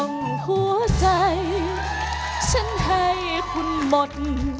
มีคุณหมด